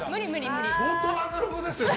相当アナログですね。